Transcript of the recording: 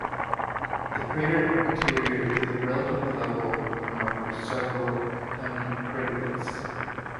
The crater interior is relatively level, and marked with several tiny craterlets.